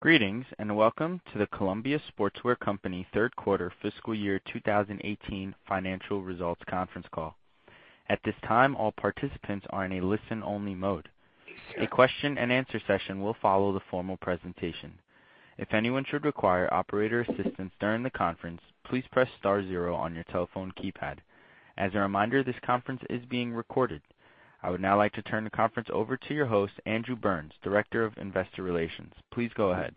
Greetings. Welcome to the Columbia Sportswear Company third quarter fiscal year 2018 financial results conference call. At this time, all participants are in a listen-only mode. A question and answer session will follow the formal presentation. If anyone should require operator assistance during the conference, please press star zero on your telephone keypad. As a reminder, this conference is being recorded. I would now like to turn the conference over to your host, Andrew Burns, Director of Investor Relations. Please go ahead.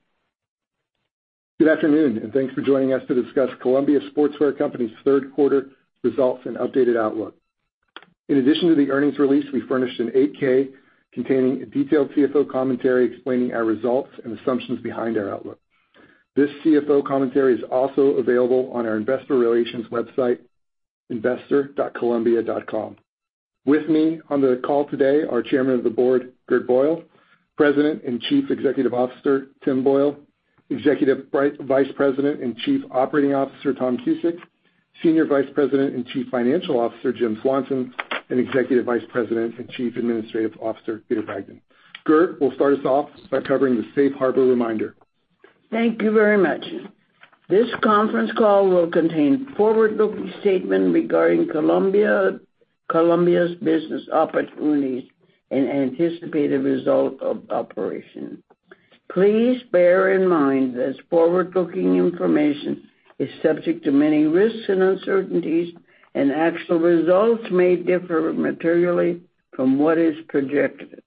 Good afternoon. Thanks for joining us to discuss Columbia Sportswear Company's third quarter results and updated outlook. In addition to the earnings release, we furnished an 8-K containing a detailed CFO commentary explaining our results and assumptions behind our outlook. This CFO commentary is also available on our investor relations website, investor.columbia.com. With me on the call today are Chairman of the Board, Gert Boyle, President and Chief Executive Officer, Tim Boyle, Executive Vice President and Chief Operating Officer, Tom Cusick, Senior Vice President and Chief Financial Officer, Jim Swanson, and Executive Vice President and Chief Administrative Officer, Peter Bragdon. Gert will start us off by covering the safe harbor reminder. Thank you very much. This conference call will contain forward-looking statements regarding Columbia's business opportunities and anticipated result of operation. Please bear in mind that forward-looking information is subject to many risks and uncertainties. Actual results may differ materially from what is projected.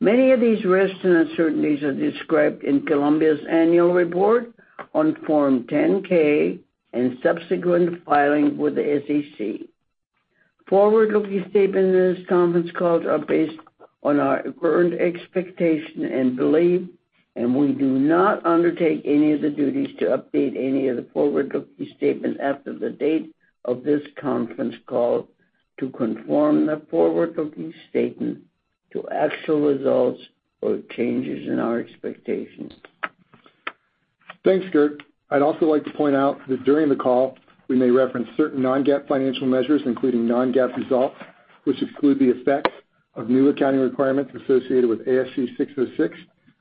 Many of these risks and uncertainties are described in Columbia's annual report on Form 10-K and subsequent filings with the SEC. Forward-looking statements in this conference call are based on our current expectation and belief. We do not undertake any of the duties to update any of the forward-looking statements after the date of this conference call to conform the forward-looking statements to actual results or changes in our expectations. Thanks, Gert. I'd also like to point out that during the call, we may reference certain non-GAAP financial measures, including non-GAAP results, which exclude the effects of new accounting requirements associated with ASC 606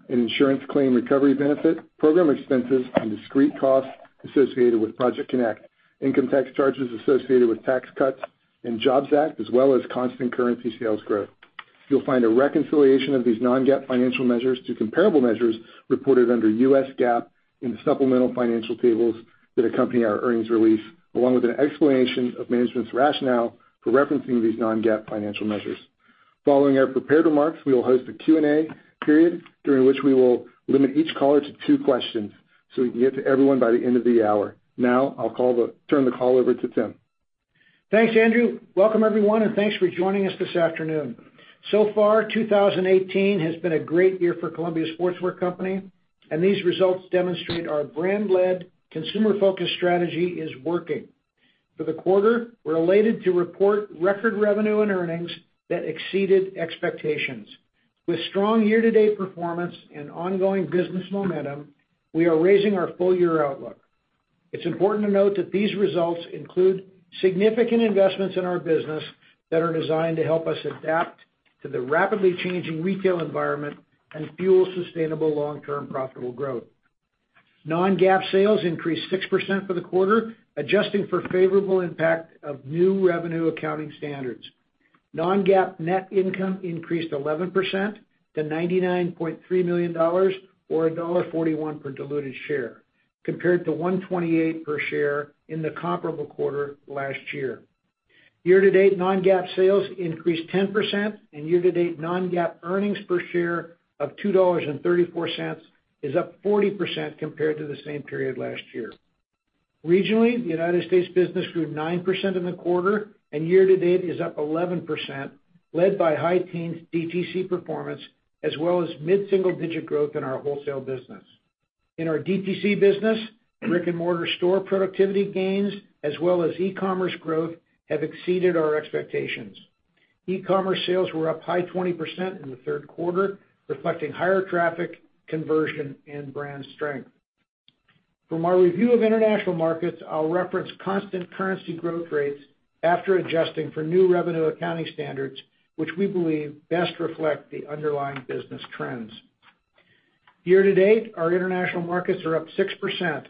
and insurance claim recovery benefit, program expenses, and discrete costs associated with Project Connect, income tax charges associated with Tax Cuts and Jobs Act, as well as constant currency sales growth. You'll find a reconciliation of these non-GAAP financial measures to comparable measures reported under US GAAP in the supplemental financial tables that accompany our earnings release, along with an explanation of management's rationale for referencing these non-GAAP financial measures. Following our prepared remarks, we will host a Q&A period during which we will limit each caller to two questions so we can get to everyone by the end of the hour. Now, I'll turn the call over to Tim. Thanks, Andrew. Welcome everyone, and thanks for joining us this afternoon. So far, 2018 has been a great year for Columbia Sportswear Company. These results demonstrate our brand-led, consumer-focused strategy is working. For the quarter, we're elated to report record revenue and earnings that exceeded expectations. With strong year-to-date performance and ongoing business momentum, we are raising our full-year outlook. It's important to note that these results include significant investments in our business that are designed to help us adapt to the rapidly changing retail environment and fuel sustainable long-term profitable growth. Non-GAAP sales increased 6% for the quarter, adjusting for favorable impact of new revenue accounting standards. Non-GAAP net income increased 11% to $99.3 million, or $1.41 per diluted share, compared to $1.28 per share in the comparable quarter last year. Year to date, non-GAAP sales increased 10%. Year to date, non-GAAP earnings per share of $2.34 is up 40% compared to the same period last year. Regionally, the U.S. business grew 9% in the quarter. Year to date is up 11%, led by high teens DTC performance, as well as mid-single-digit growth in our wholesale business. In our DTC business, brick and mortar store productivity gains as well as e-commerce growth have exceeded our expectations. E-commerce sales were up high 20% in the third quarter, reflecting higher traffic, conversion, and brand strength. From our review of international markets, I'll reference constant currency growth rates after adjusting for new revenue accounting standards, which we believe best reflect the underlying business trends. Year to date, our international markets are up 6%.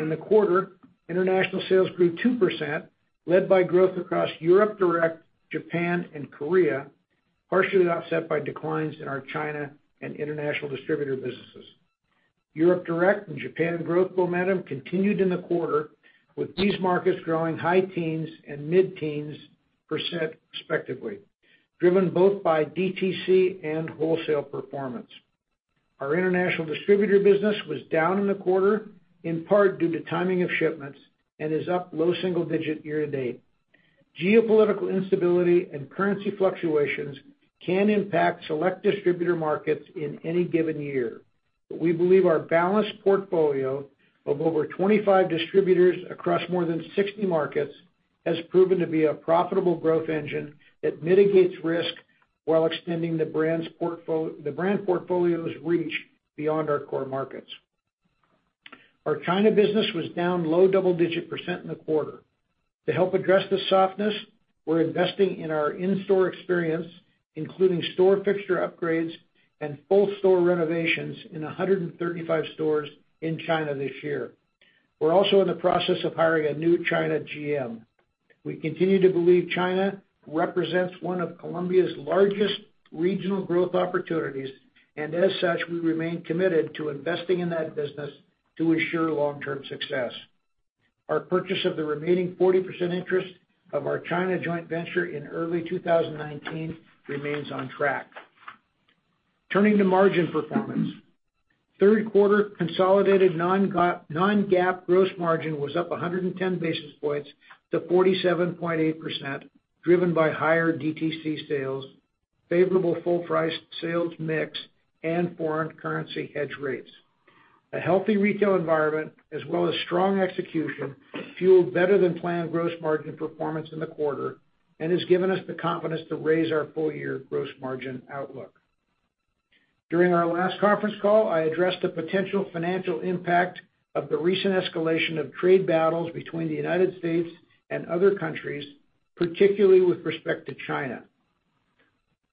In the quarter, international sales grew 2%, led by growth across Europe-direct, Japan, and Korea, partially offset by declines in our China and international distributor businesses. Europe-direct and Japan growth momentum continued in the quarter, with these markets growing high teens and mid-teens percent respectively, driven both by DTC and wholesale performance. Our international distributor business was down in the quarter, in part due to timing of shipments, and is up low single digit year to date. Geopolitical instability and currency fluctuations can impact select distributor markets in any given year. We believe our balanced portfolio of over 25 distributors across more than 60 markets has proven to be a profitable growth engine that mitigates risk while extending the brand portfolio's reach beyond our core markets. Our China business was down low double-digit percent in the quarter. To help address this softness, we're investing in our in-store experience, including store fixture upgrades and full store renovations in 135 stores in China this year. We're also in the process of hiring a new China GM. We continue to believe China represents one of Columbia's largest regional growth opportunities. As such, we remain committed to investing in that business to ensure long-term success. Our purchase of the remaining 40% interest of our China joint venture in early 2019 remains on track. Turning to margin performance. Third quarter consolidated non-GAAP gross margin was up 110 basis points to 47.8%, driven by higher DTC sales, favorable full price sales mix, and foreign currency hedge rates. A healthy retail environment, as well as strong execution, fueled better than planned gross margin performance in the quarter and has given us the confidence to raise our full-year gross margin outlook. During our last conference call, I addressed the potential financial impact of the recent escalation of trade battles between the U.S. and other countries, particularly with respect to China.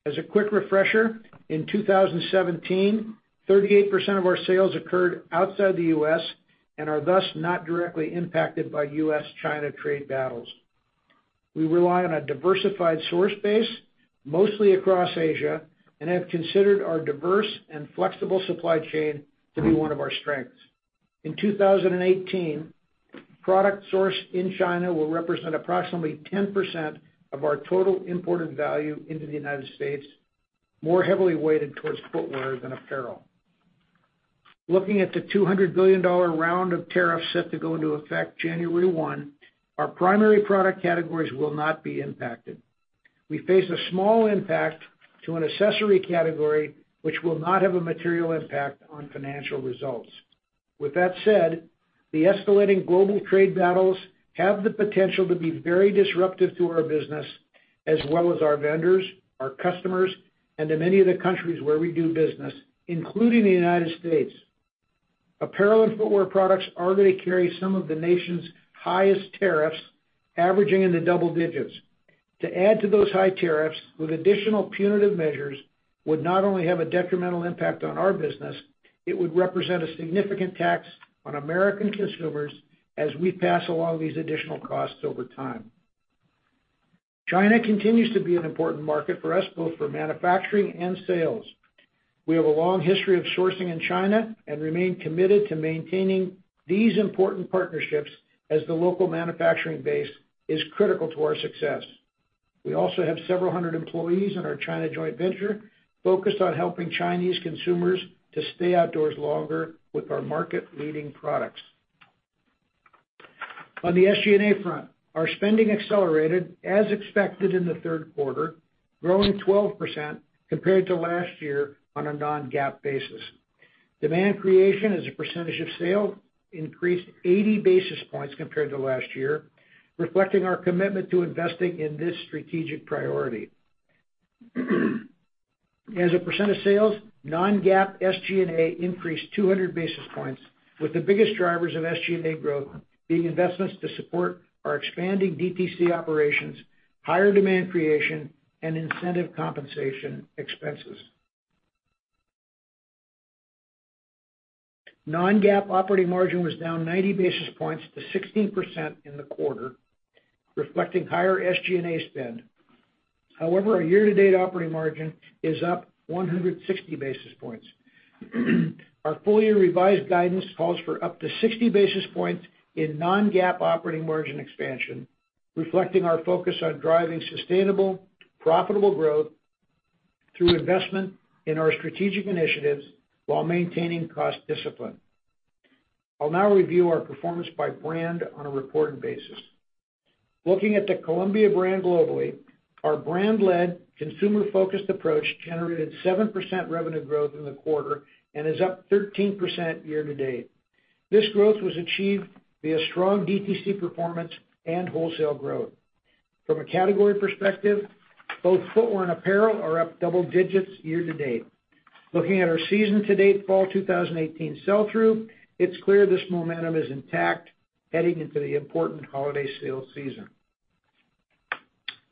As a quick refresher, in 2017, 38% of our sales occurred outside the U.S. and are thus not directly impacted by U.S.-China trade battles. We rely on a diversified source base, mostly across Asia, and have considered our diverse and flexible supply chain to be one of our strengths. In 2018, product sourced in China will represent approximately 10% of our total imported value into the U.S., more heavily weighted towards footwear than apparel. Looking at the $200 billion round of tariffs set to go into effect January 1, our primary product categories will not be impacted. We face a small impact to an accessory category, which will not have a material impact on financial results. With that said, the escalating global trade battles have the potential to be very disruptive to our business as well as our vendors, our customers, and to many of the countries where we do business, including the U.S. Apparel and footwear products already carry some of the nation's highest tariffs, averaging in the double digits. To add to those high tariffs with additional punitive measures would not only have a detrimental impact on our business, it would represent a significant tax on American consumers as we pass along these additional costs over time. China continues to be an important market for us, both for manufacturing and sales. We have a long history of sourcing in China and remain committed to maintaining these important partnerships as the local manufacturing base is critical to our success. We also have several hundred employees in our China joint venture focused on helping Chinese consumers to stay outdoors longer with our market-leading products. On the SG&A front, our spending accelerated as expected in the third quarter, growing 12% compared to last year on a non-GAAP basis. Demand creation as a percentage of sale increased 80 basis points compared to last year, reflecting our commitment to investing in this strategic priority. As a percent of sales, non-GAAP SG&A increased 200 basis points with the biggest drivers of SG&A growth being investments to support our expanding DTC operations, higher demand creation, and incentive compensation expenses. Non-GAAP operating margin was down 90 basis points to 16% in the quarter, reflecting higher SG&A spend. However, our year-to-date operating margin is up 160 basis points. Our full-year revised guidance calls for up to 60 basis points in non-GAAP operating margin expansion, reflecting our focus on driving sustainable, profitable growth through investment in our strategic initiatives while maintaining cost discipline. I'll now review our performance by brand on a reported basis. Looking at the Columbia brand globally, our brand-led, consumer-focused approach generated 7% revenue growth in the quarter and is up 13% year to date. This growth was achieved via strong DTC performance and wholesale growth. From a category perspective, both footwear and apparel are up double digits year to date. Looking at our season to date Fall 2018 sell-through, it's clear this momentum is intact heading into the important holiday sales season.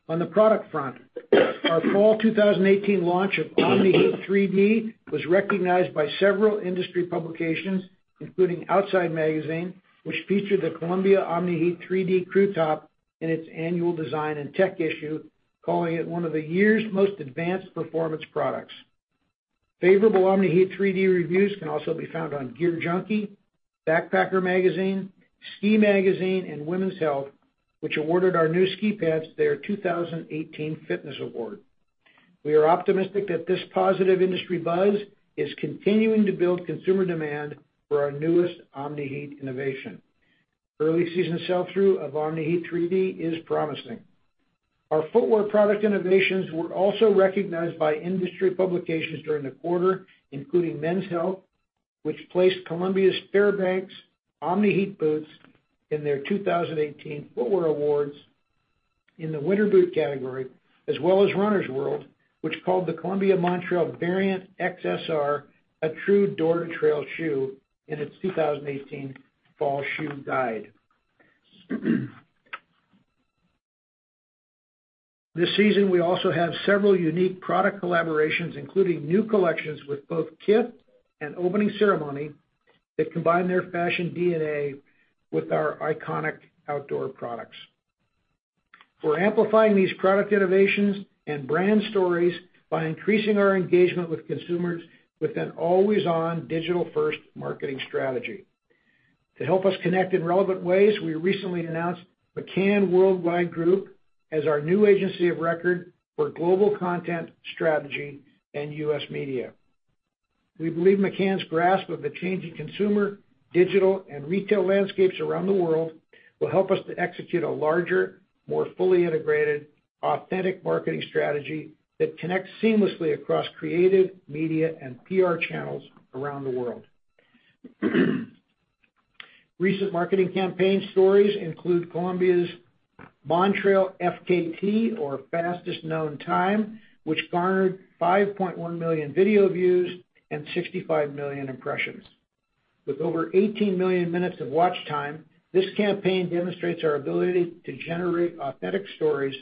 On the product front, our Fall 2018 launch of Omni-Heat 3D was recognized by several industry publications, including "Outside," which featured the Columbia Omni-Heat 3D crew top in its annual design and tech issue, calling it one of the year's most advanced performance products. Favorable Omni-Heat 3D reviews can also be found on GearJunkie, "Backpacker," "Ski Magazine" and "Women's Health," which awarded our new ski pants their 2018 Fitness Award. We are optimistic that this positive industry buzz is continuing to build consumer demand for our newest Omni-Heat innovation. Early season sell-through of Omni-Heat 3D is promising. Our footwear product innovations were also recognized by industry publications during the quarter, including "Men's Health," which placed Columbia's Fairbanks Omni-Heat boots in their 2018 Footwear Awards in the winter boot category, as well as Runner's World, which called the Columbia Montrail Variant XSR a true door-to-trail shoe in its 2018 fall shoe guide. This season, we also have several unique product collaborations, including new collections with both Kith and Opening Ceremony that combine their fashion DNA with our iconic outdoor products. We're amplifying these product innovations and brand stories by increasing our engagement with consumers with an always-on digital-first marketing strategy. To help us connect in relevant ways, we recently announced McCann Worldgroup as our new agency of record for global content strategy and U.S. media. We believe McCann's grasp of the changing consumer, digital, and retail landscapes around the world will help us to execute a larger, more fully integrated, authentic marketing strategy that connects seamlessly across creative, media, and PR channels around the world. Recent marketing campaign stories include Columbia's Montrail FKT, or Fastest Known Time, which garnered 5.1 million video views and 65 million impressions. With over 18 million minutes of watch time, this campaign demonstrates our ability to generate authentic stories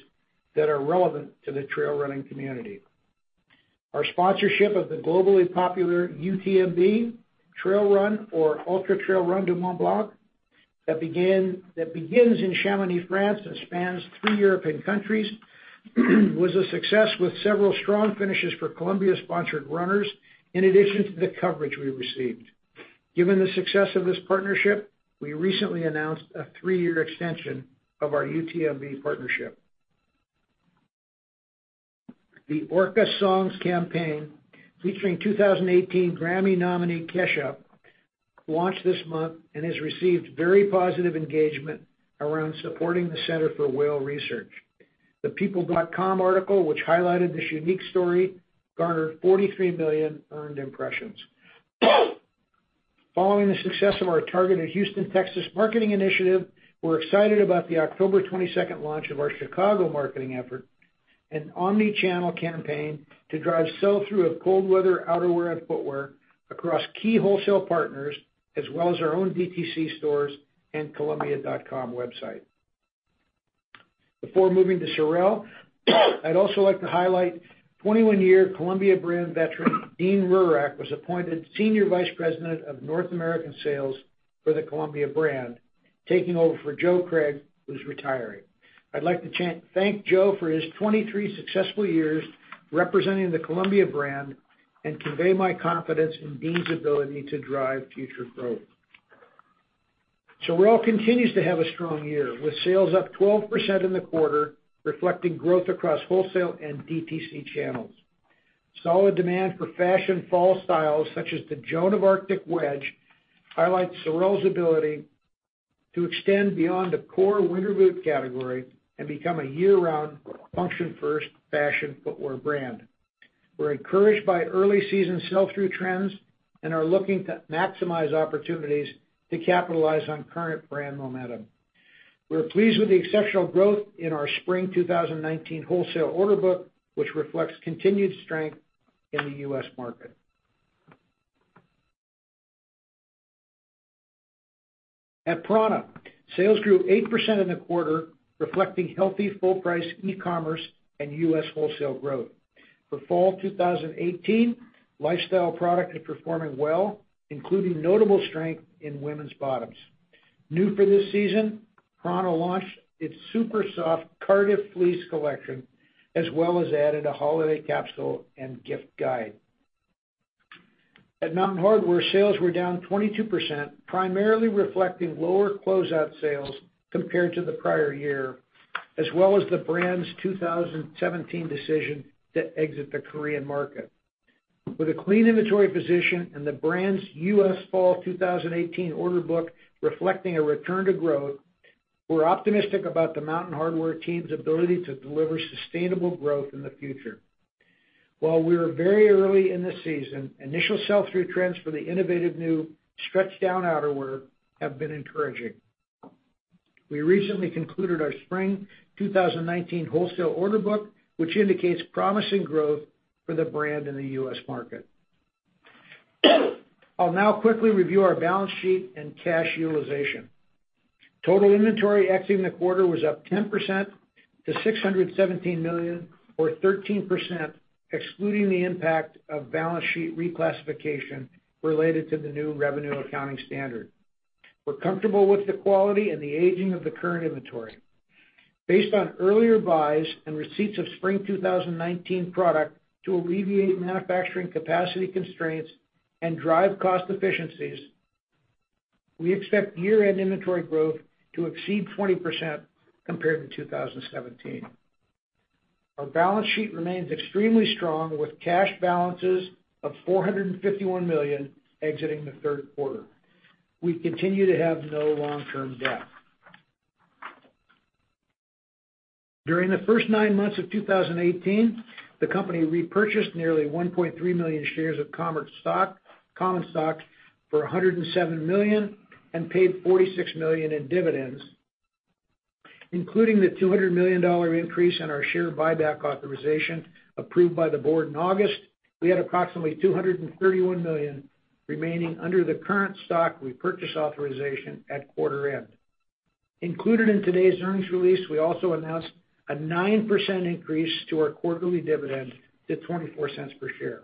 that are relevant to the trail running community. Our sponsorship of the globally popular UTMB trail run, or Ultra-Trail du Mont-Blanc, that begins in Chamonix, France, and spans three European countries, was a success with several strong finishes for Columbia-sponsored runners, in addition to the coverage we received. Given the success of this partnership, we recently announced a three-year extension of our UTMB partnership. The Orca Songs campaign, featuring 2018 Grammy nominee Kesha, launched this month and has received very positive engagement around supporting the Center for Whale Research. The people.com article, which highlighted this unique story, garnered 43 million earned impressions. Following the success of our targeted Houston, Texas, marketing initiative, we're excited about the October 22nd launch of our Chicago marketing effort, an omni-channel campaign to drive sell-through of cold weather outerwear and footwear across key wholesale partners, as well as our own DTC stores and columbia.com website. Before moving to SOREL, I'd also like to highlight 21-year Columbia brand veteran Dean Rurak was appointed Senior Vice President of North America Sales for the Columbia brand, taking over for Joe Craig, who's retiring. I'd like to thank Joe for his 23 successful years representing the Columbia brand and convey my confidence in Dean's ability to drive future growth. SOREL continues to have a strong year, with sales up 12% in the quarter, reflecting growth across wholesale and DTC channels. Solid demand for fashion fall styles, such as the Joan of Arctic Wedge, highlight SOREL's ability to extend beyond the core winter boot category and become a year-round function-first fashion footwear brand. We are encouraged by early season sell-through trends and are looking to maximize opportunities to capitalize on current brand momentum. We are pleased with the exceptional growth in our spring 2019 wholesale order book, which reflects continued strength in the U.S. market. At prAna, sales grew 8% in the quarter, reflecting healthy full-price e-commerce and U.S. wholesale growth. For fall 2018, lifestyle product is performing well, including notable strength in women's bottoms. New for this season, prAna launched its super soft Cardiff fleece collection, as well as added a holiday capsule and gift guide. At Mountain Hardwear, sales were down 22%, primarily reflecting lower closeout sales compared to the prior year, as well as the brand's 2017 decision to exit the Korean market. With a clean inventory position and the brand's U.S. fall 2018 order book reflecting a return to growth, we are optimistic about the Mountain Hardwear team's ability to deliver sustainable growth in the future. While we are very early in the season, initial sell-through trends for the innovative new Stretchdown outerwear have been encouraging. We recently concluded our spring 2019 wholesale order book, which indicates promising growth for the brand in the U.S. market. I will now quickly review our balance sheet and cash utilization. Total inventory exiting the quarter was up 10% to $617 million, or 13%, excluding the impact of balance sheet reclassification related to the new revenue accounting standard. We are comfortable with the quality and the aging of the current inventory. Based on earlier buys and receipts of spring 2019 product to alleviate manufacturing capacity constraints and drive cost efficiencies, we expect year-end inventory growth to exceed 20% compared to 2017. Our balance sheet remains extremely strong with cash balances of $451 million exiting the third quarter. We continue to have no long-term debt. During the first nine months of 2018, the company repurchased nearly 1.3 million shares of common stock for $107 million and paid $46 million in dividends. Including the $200 million increase in our share buyback authorization approved by the board in August, we had approximately $231 million remaining under the current stock repurchase authorization at quarter end. Included in today's earnings release, we also announced a 9% increase to our quarterly dividend to $0.24 per share.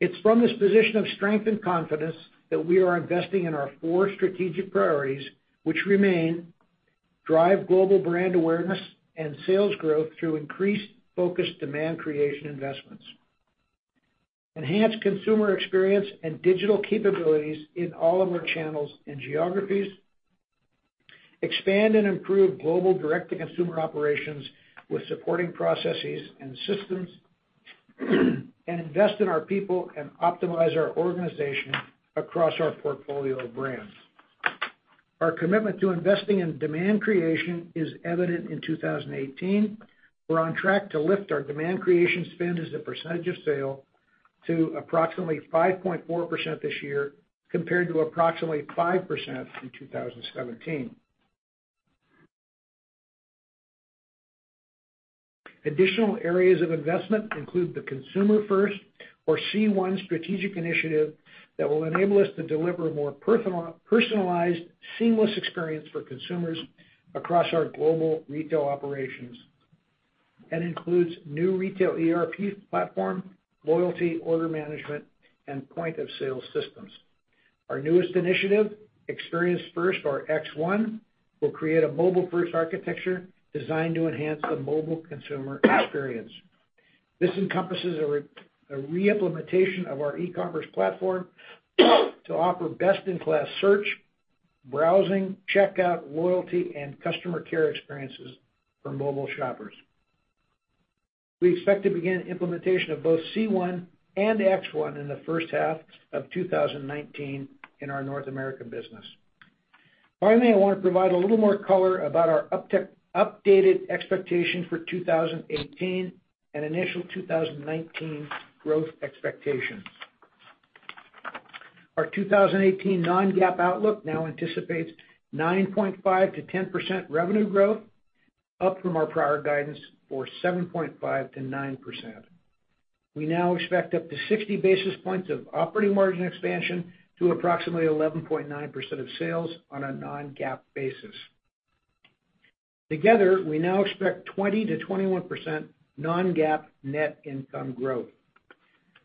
It is from this position of strength and confidence that we are investing in our four strategic priorities, which remain: drive global brand awareness and sales growth through increased focused demand creation investments. Enhance consumer experience and digital capabilities in all of our channels and geographies. Expand and improve global direct-to-consumer operations with supporting processes and systems. Invest in our people and optimize our organization across our portfolio of brands. Our commitment to investing in demand creation is evident in 2018. We are on track to lift our demand creation spend as a percentage of sale to approximately 5.4% this year, compared to approximately 5% in 2017. Additional areas of investment include the Consumer First, or C1 strategic initiative that will enable us to deliver a more personalized, seamless experience for consumers across our global retail operations, and includes new retail ERP platform, loyalty, order management, and point-of-sale systems. Our newest initiative, Experience First, or X1, will create a mobile-first architecture designed to enhance the mobile consumer experience. This encompasses a re-implementation of our e-commerce platform to offer best-in-class search, browsing, checkout, loyalty, and customer care experiences for mobile shoppers. We expect to begin implementation of both C1 and X1 in the first half of 2019 in our North American business. I want to provide a little more color about our updated expectations for 2018 and initial 2019 growth expectations. Our 2018 non-GAAP outlook now anticipates 9.5%-10% revenue growth, up from our prior guidance for 7.5%-9%. We now expect up to 60 basis points of operating margin expansion to approximately 11.9% of sales on a non-GAAP basis. Together, we now expect 20%-21% non-GAAP net income growth.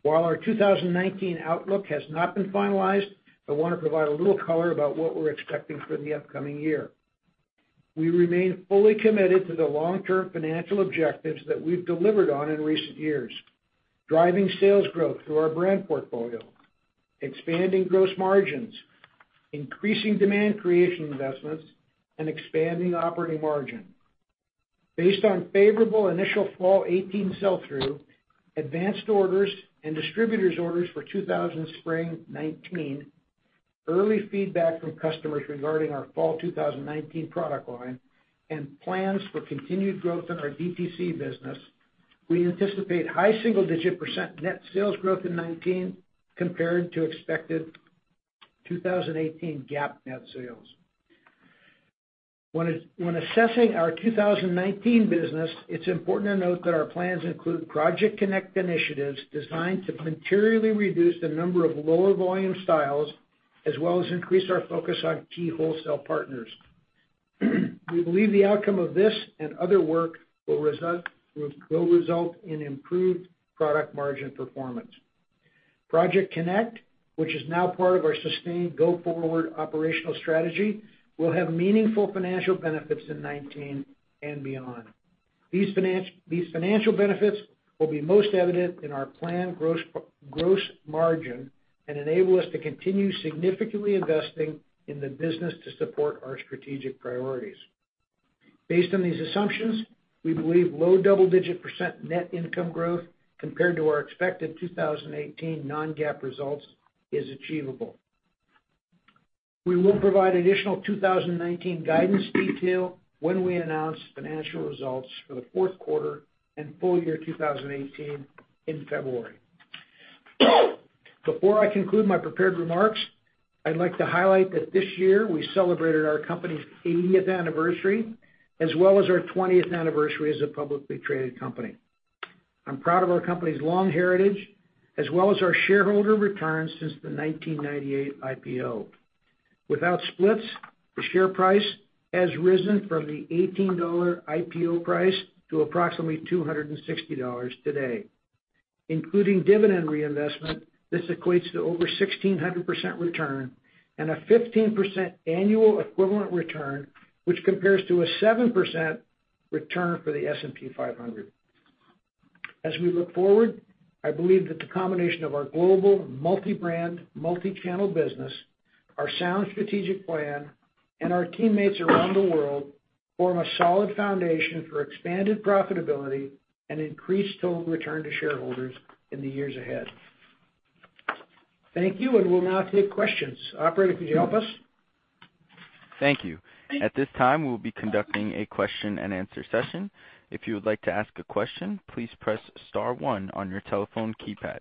While our 2019 outlook has not been finalized, I want to provide a little color about what we're expecting for the upcoming year. We remain fully committed to the long-term financial objectives that we've delivered on in recent years. Driving sales growth through our brand portfolio, expanding gross margins, increasing demand creation investments, and expanding operating margin. Based on favorable initial fall 2018 sell-through, advanced orders and distributors' orders for spring 2019, early feedback from customers regarding our fall 2019 product line, and plans for continued growth in our DTC business, we anticipate high single-digit percent net sales growth in 2019, compared to expected 2018 GAAP net sales. When assessing our 2019 business, it's important to note that our plans include Project Connect initiatives designed to materially reduce the number of lower volume styles, as well as increase our focus on key wholesale partners. We believe the outcome of this and other work will result in improved product margin performance. Project Connect, which is now part of our sustained go-forward operational strategy, will have meaningful financial benefits in 2019 and beyond. These financial benefits will be most evident in our planned gross margin and enable us to continue significantly investing in the business to support our strategic priorities. Based on these assumptions, we believe low double-digit percent net income growth compared to our expected 2018 non-GAAP results is achievable. We will provide additional 2019 guidance detail when we announce financial results for the fourth quarter and full year 2018 in February. Before I conclude my prepared remarks, I'd like to highlight that this year we celebrated our company's 80th anniversary, as well as our 20th anniversary as a publicly traded company. I'm proud of our company's long heritage, as well as our shareholder returns since the 1998 IPO. Without splits, the share price has risen from the $18 IPO price to approximately $260 today. Including dividend reinvestment, this equates to over 1,600% return and a 15% annual equivalent return, which compares to a 7% return for the S&P 500. As we look forward, I believe that the combination of our global multi-brand, multi-channel business, our sound strategic plan, and our teammates around the world form a solid foundation for expanded profitability and increased total return to shareholders in the years ahead. Thank you. We'll now take questions. Operator, could you help us? Thank you. At this time, we'll be conducting a question and answer session. If you would like to ask a question, please press star one on your telephone keypad.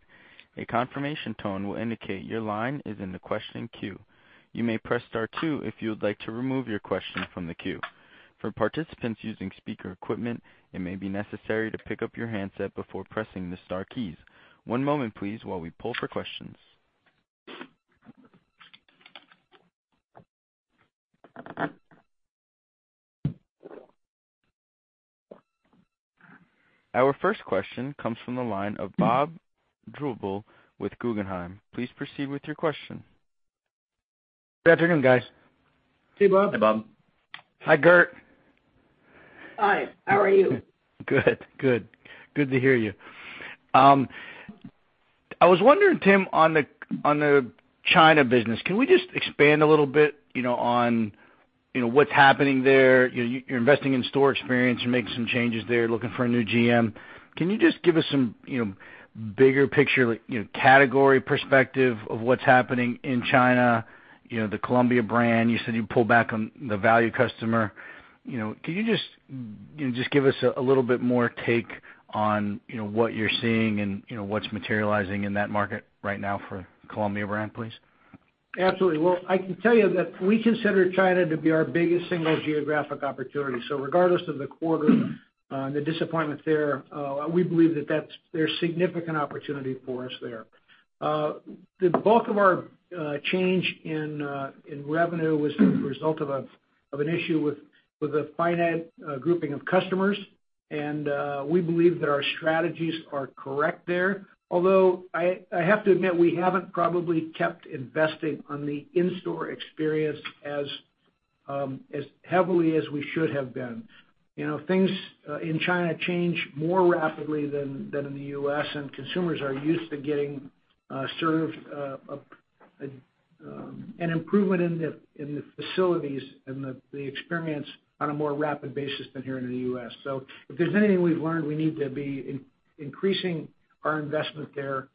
A confirmation tone will indicate your line is in the question queue. You may press star two if you would like to remove your question from the queue. For participants using speaker equipment, it may be necessary to pick up your handset before pressing the star keys. One moment please, while we pull for questions. Our first question comes from the line of Bob Drbul with Guggenheim. Please proceed with your question. Good afternoon, guys. Hey, Bob. Hey, Bob. Hi, Gert. Hi. How are you? Good. Good to hear you. I was wondering, Tim, on the China business, can we just expand a little bit on what's happening there? You're investing in store experience. You're making some changes there, looking for a new GM. Can you just give us some bigger picture, category perspective of what's happening in China? The Columbia brand, you said you pulled back on the value customer. Can you just give us a little bit more take on what you're seeing and what's materializing in that market right now for Columbia brand, please? Absolutely. Well, I can tell you that we consider China to be our biggest single geographic opportunity. Regardless of the quarter, the disappointment there, we believe that there's significant opportunity for us there. The bulk of our change in revenue was the result of an issue with a finite grouping of customers. We believe that our strategies are correct there. I have to admit, we haven't probably kept investing on the in-store experience as heavily as we should have been. Things in China change more rapidly than in the U.S. Consumers are used to getting served an improvement in the facilities and the experience on a more rapid basis than here in the U.S. If there's anything we've learned, we need to be increasing our investment there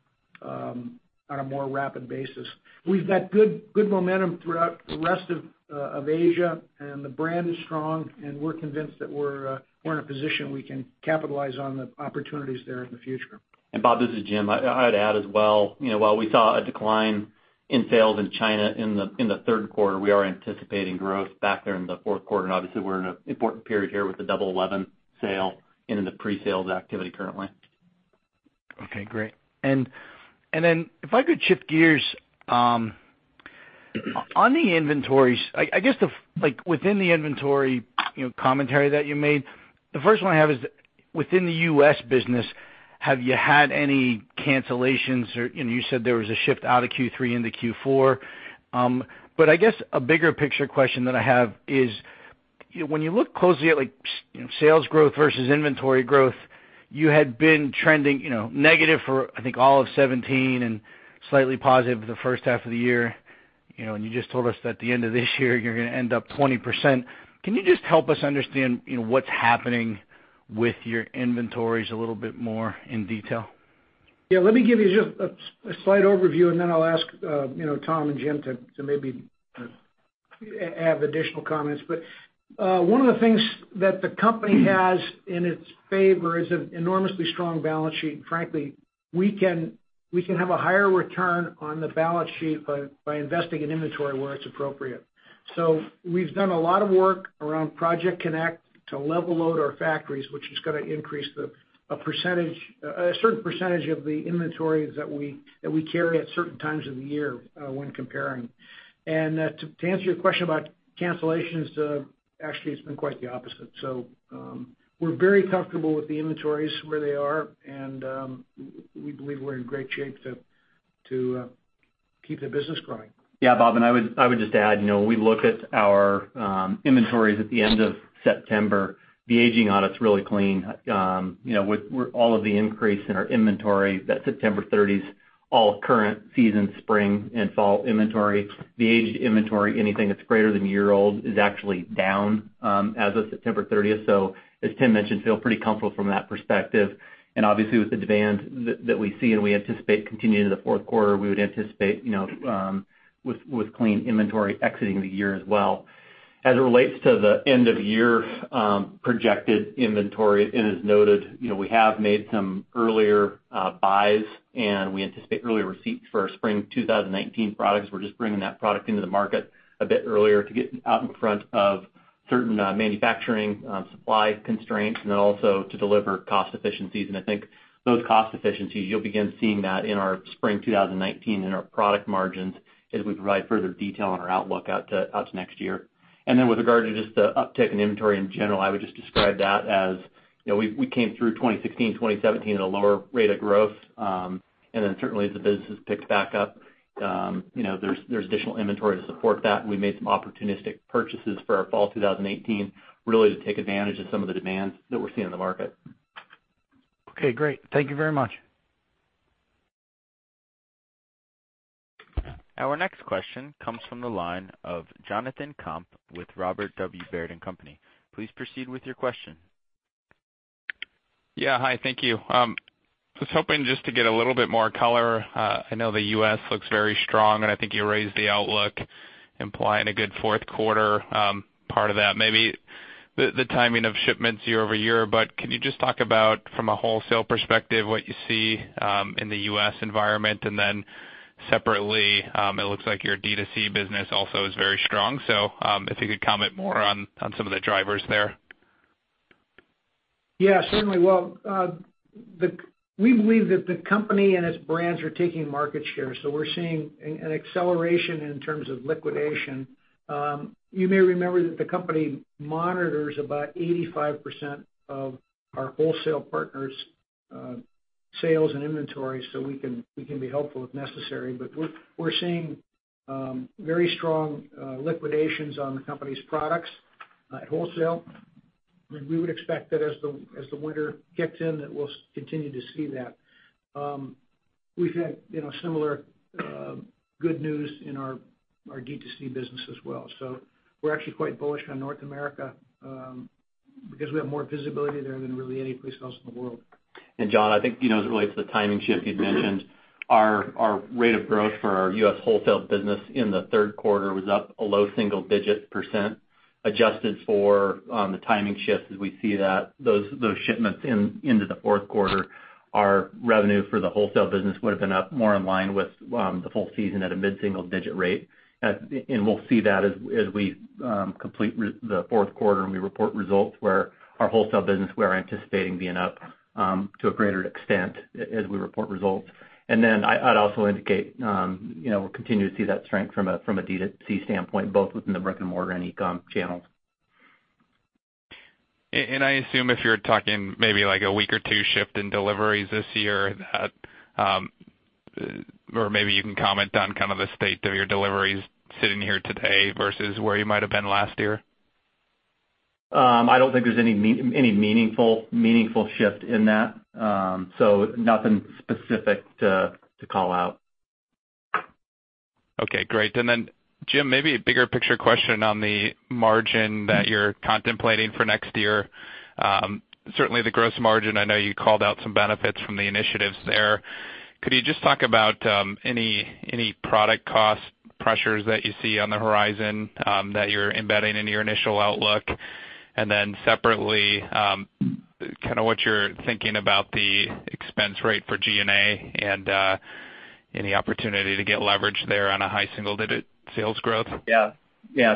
on a more rapid basis. We've got good momentum throughout the rest of Asia, and the brand is strong, and we're convinced that we're in a position we can capitalize on the opportunities there in the future. Bob, this is Jim. I'd add as well. While we saw a decline in sales in China in the third quarter, we are anticipating growth back there in the fourth quarter. Obviously we're in an important period here with the Double Eleven sale and in the pre-sales activity currently. Okay, great. Then if I could shift gears. On the inventories, I guess within the inventory commentary that you made, the first one I have is within the U.S. business, have you had any cancellations or you said there was a shift out of Q3 into Q4. I guess a bigger picture question that I have is, when you look closely at sales growth versus inventory growth, you had been trending negative for, I think, all of 2017 and slightly positive for the first half of the year. You just told us that at the end of this year you're going to end up 20%. Can you just help us understand what's happening with your inventories a little bit more in detail? Yeah, let me give you just a slight overview, and then I'll ask Tom and Jim to maybe add additional comments. One of the things that the company has in its favor is an enormously strong balance sheet. Frankly, we can have a higher return on the balance sheet by investing in inventory where it's appropriate. We've done a lot of work around Project Connect to level load our factories, which is going to increase a certain percentage of the inventories that we carry at certain times of the year when comparing. To answer your question about cancellations, actually, it's been quite the opposite. We're very comfortable with the inventories where they are, and we believe we're in great shape to keep the business growing. I would just add, when we look at our inventories at the end of September, the aging on it's really clean. With all of the increase in our inventory, that September 30th's all current season, spring and fall inventory. The aged inventory, anything that's greater than a year old, is actually down as of September 30th. As Tim mentioned, feel pretty comfortable from that perspective. Obviously with the demand that we see and we anticipate continuing into the fourth quarter, we would anticipate with clean inventory exiting the year as well. As it relates to the end of year projected inventory, as noted, we have made some earlier buys, and we anticipate early receipts for our spring 2019 products. We're just bringing that product into the market a bit earlier to get out in front of certain manufacturing supply constraints, also to deliver cost efficiencies. I think those cost efficiencies, you'll begin seeing that in our spring 2019 in our product margins as we provide further detail on our outlook out to next year. With regard to just the uptick in inventory in general, I would just describe that as we came through 2016, 2017 at a lower rate of growth. Certainly as the business has picked back up, there's additional inventory to support that, and we made some opportunistic purchases for our fall 2018, really to take advantage of some of the demands that we're seeing in the market. Okay, great. Thank you very much. Our next question comes from the line of Jonathan Komp with Robert W. Baird & Co. Please proceed with your question. Yeah. Hi. Thank you. I was hoping just to get a little bit more color. I know the U.S. looks very strong, and I think you raised the outlook, implying a good fourth quarter. Part of that may be the timing of shipments year-over-year, but can you just talk about, from a wholesale perspective, what you see in the U.S. environment? Separately, it looks like your D2C business also is very strong. If you could comment more on some of the drivers there. Yeah, certainly. Well, we believe that the company and its brands are taking market share. We're seeing an acceleration in terms of liquidation. You may remember that the company monitors about 85% of our wholesale partners' sales and inventory. We can be helpful if necessary. We're seeing very strong liquidations on the company's products at wholesale. We would expect that as the winter kicks in, that we'll continue to see that. We've had similar good news in our D2C business as well. We're actually quite bullish on North America, because we have more visibility there than really anyplace else in the world. John, I think, as it relates to the timing shift you'd mentioned, our rate of growth for our U.S. wholesale business in the third quarter was up a low single-digit %, adjusted for the timing shifts as we see those shipments into the fourth quarter. Our revenue for the wholesale business would've been up more in line with the full season at a mid-single digit rate. We'll see that as we complete the fourth quarter and we report results where our wholesale business, we're anticipating being up to a greater extent as we report results. I'd also indicate, we'll continue to see that strength from a D2C standpoint, both within the brick-and-mortar and e-com channels. I assume if you're talking maybe like a week or two shift in deliveries this year, or maybe you can comment on the state of your deliveries sitting here today versus where you might've been last year. I don't think there's any meaningful shift in that. Nothing specific to call out. Okay, great. Jim, maybe a bigger picture question on the margin that you're contemplating for next year. Certainly, the gross margin, I know you called out some benefits from the initiatives there. Could you just talk about any product cost pressures that you see on the horizon that you're embedding into your initial outlook? Separately, what you're thinking about the expense rate for SG&A and any opportunity to get leverage there on a high single-digit sales growth? Yeah.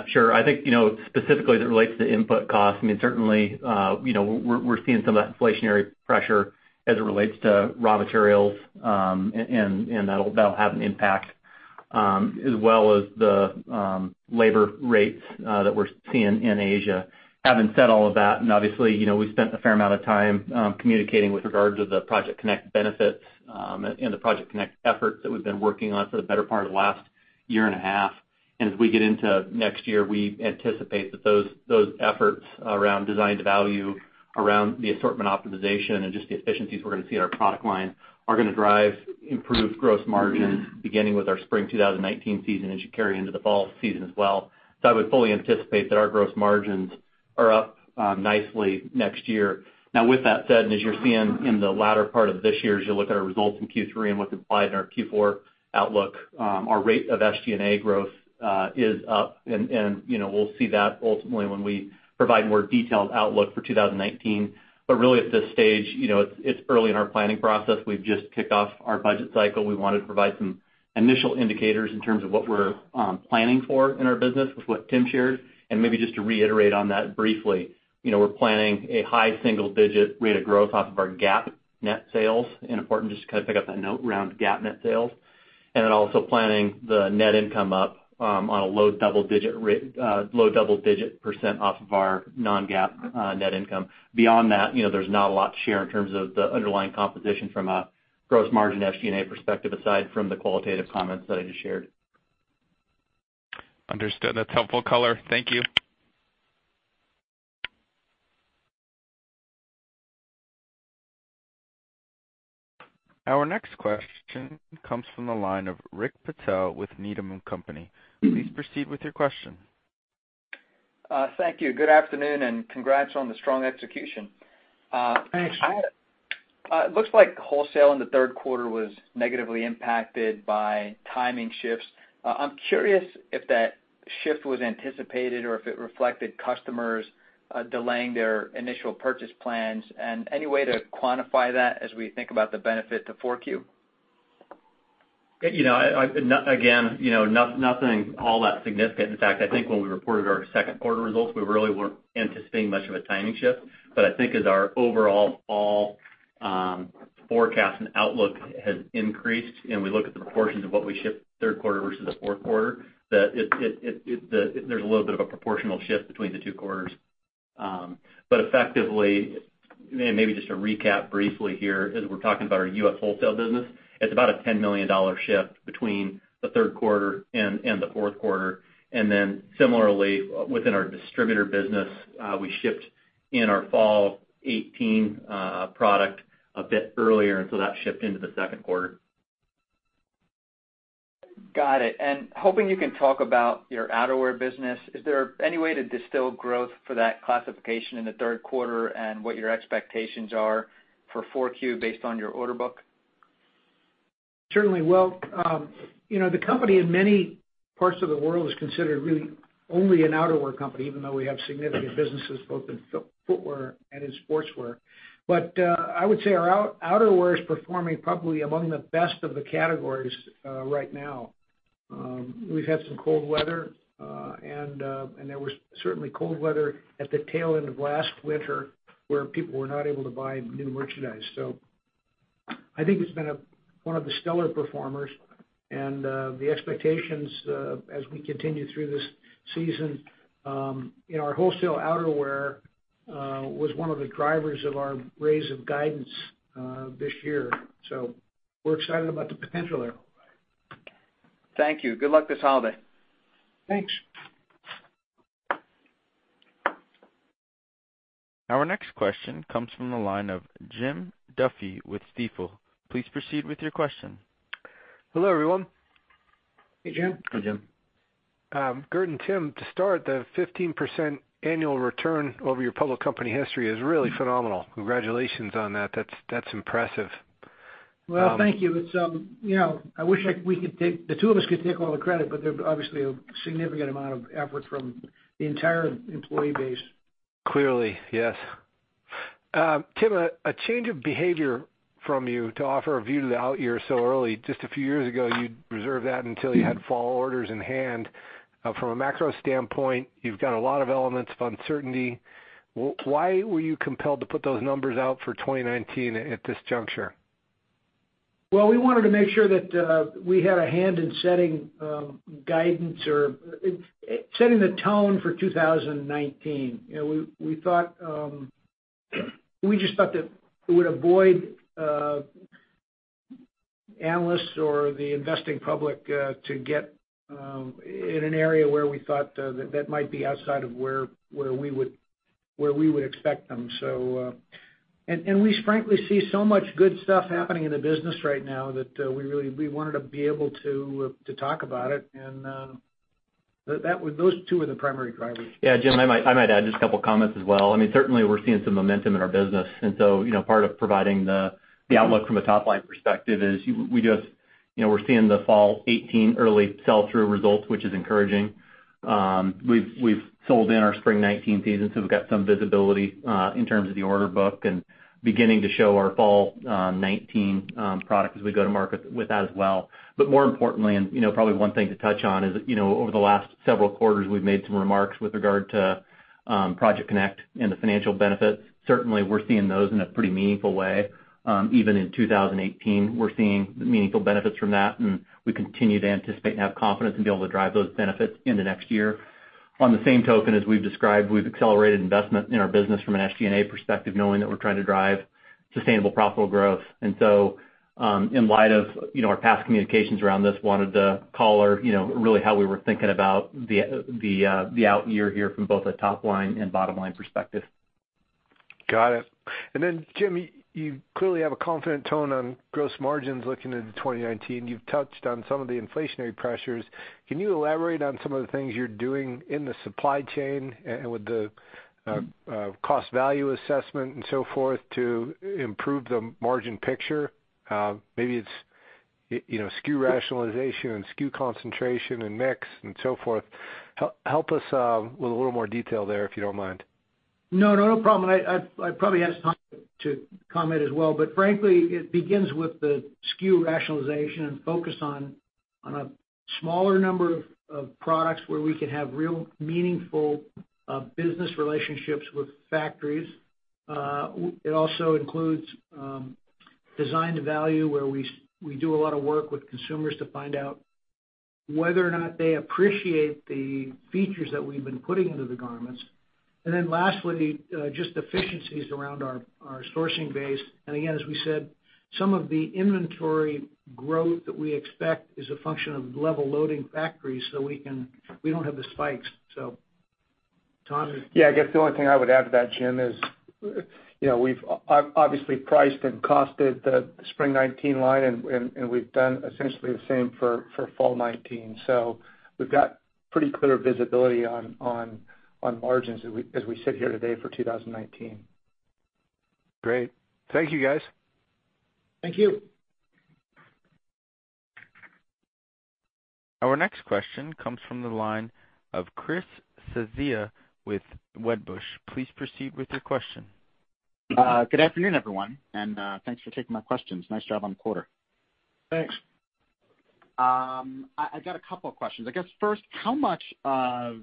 Sure. I think, specifically as it relates to input costs, certainly, we're seeing some of that inflationary pressure as it relates to raw materials, that'll have an impact, as well as the labor rates that we're seeing in Asia. Having said all of that, obviously, we've spent a fair amount of time communicating with regard to the Project Connect benefits, and the Project Connect efforts that we've been working on for the better part of the last year and a half. As we get into next year, we anticipate that those efforts around design to value, around the assortment optimization, and just the efficiencies we're going to see in our product line are going to drive improved gross margins, beginning with our spring 2019 season, and should carry into the fall season as well. I would fully anticipate that our gross margins are up nicely next year. Now, with that said, and as you're seeing in the latter part of this year, as you look at our results in Q3 and what's implied in our Q4 outlook, our rate of SG&A growth is up. We'll see that ultimately when we provide more detailed outlook for 2019. Really at this stage, it's early in our planning process. We've just kicked off our budget cycle. We wanted to provide some initial indicators in terms of what we're planning for in our business with what Tim shared. Maybe just to reiterate on that briefly, we're planning a high single-digit rate of growth off of our GAAP net sales. It's important just to pick up that note around GAAP net sales. Also planning the net income up on a low double-digit % off of our non-GAAP net income. Beyond that, there's not a lot to share in terms of the underlying composition from a gross margin SG&A perspective, aside from the qualitative comments that I just shared. Understood. That's helpful color. Thank you. Our next question comes from the line of Rick Patel with Needham & Company. Please proceed with your question. Thank you. Good afternoon, and congrats on the strong execution. Thanks. It looks like wholesale in the third quarter was negatively impacted by timing shifts. I'm curious if that shift was anticipated or if it reflected customers delaying their initial purchase plans. Any way to quantify that as we think about the benefit to 4Q? Again, nothing all that significant. In fact, I think when we reported our second quarter results, we really weren't anticipating much of a timing shift. I think as our overall fall forecast and outlook has increased, and we look at the proportions of what we shipped third quarter versus the fourth quarter, there's a little bit of a proportional shift between the two quarters. Effectively, maybe just to recap briefly here, as we're talking about our U.S. wholesale business, it's about a $10 million shift between the third quarter and the fourth quarter. Similarly, within our distributor business, we shipped in our fall 2018 product a bit earlier, so that shipped into the second quarter. Got it. Hoping you can talk about your outerwear business. Is there any way to distill growth for that classification in the third quarter, and what your expectations are for 4Q based on your order book? Certainly. Well, the company in many parts of the world is considered really only an outerwear company, even though we have significant businesses both in footwear and in sportswear. I would say our outerwear is performing probably among the best of the categories right now. We've had some cold weather, and there was certainly cold weather at the tail end of last winter where people were not able to buy new merchandise. I think it's been one of the stellar performers, and the expectations as we continue through this season. Our wholesale outerwear was one of the drivers of our raise of guidance this year. We're excited about the potential there. Thank you. Good luck this holiday. Thanks. Our next question comes from the line of Jim Duffy with Stifel. Please proceed with your question. Hello, everyone. Hey, Jim. Hi, Jim. Gert and Tim, to start, the 15% annual return over your public company history is really phenomenal. Congratulations on that. That's impressive. Well, thank you. I wish the two of us could take all the credit, but there's obviously a significant amount of effort from the entire employee base. Clearly, yes. Tim, a change of behavior from you to offer a view to the out year so early. Just a few years ago, you reserved that until you had fall orders in hand. From a macro standpoint, you've got a lot of elements of uncertainty. Why were you compelled to put those numbers out for 2019 at this juncture? Well, we wanted to make sure that we had a hand in setting guidance or setting the tone for 2019. We just thought that it would avoid analysts or the investing public to get in an area where we thought that might be outside of where we would expect them. We frankly see so much good stuff happening in the business right now that we wanted to be able to talk about it. Those two are the primary drivers. Yeah, Jim, I might add just a couple of comments as well. Certainly, we're seeing some momentum in our business, so part of providing the outlook from a top-line perspective is we're seeing the fall 2018 early sell-through results, which is encouraging. We've sold in our spring 2019 season, so we've got some visibility in terms of the order book and beginning to show our fall 2019 product as we go to market with that as well. More importantly, and probably one thing to touch on, is over the last several quarters, we've made some remarks with regard to Project Connect and the financial benefits. Certainly, we're seeing those in a pretty meaningful way. Even in 2018, we're seeing meaningful benefits from that. We continue to anticipate and have confidence and be able to drive those benefits into next year. On the same token, as we've described, we've accelerated investment in our business from an SG&A perspective, knowing that we're trying to drive sustainable profitable growth. In light of our past communications around this, wanted to call or really how we were thinking about the out year here from both a top-line and bottom-line perspective. Got it. Jim, you clearly have a confident tone on gross margins looking into 2019. You've touched on some of the inflationary pressures. Can you elaborate on some of the things you're doing in the supply chain and with the cost value assessment and so forth to improve the margin picture? Maybe it's SKU rationalization and SKU concentration and mix and so forth. Help us with a little more detail there, if you don't mind. No, no problem. I probably asked Tom to comment as well. Frankly, it begins with the SKU rationalization and focus on a smaller number of products where we can have real meaningful business relationships with factories. It also includes design to value, where we do a lot of work with consumers to find out whether or not they appreciate the features that we've been putting into the garments. Lastly, just efficiencies around our sourcing base. Again, as we said, some of the inventory growth that we expect is a function of level loading factories so we don't have the spikes. Tom. Yeah, I guess the only thing I would add to that, Jim, is we've obviously priced and costed the spring 2019 line, and we've done essentially the same for fall 2019. We've got pretty clear visibility on margins as we sit here today for 2019. Great. Thank you, guys. Thank you. Our next question comes from the line of Christopher Svezia with Wedbush. Please proceed with your question. Good afternoon, everyone, thanks for taking my questions. Nice job on the quarter. Thanks. I got a couple of questions. I guess first, how much of